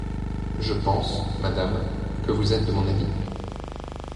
Je pense, madame, que vous êtes de mon avis?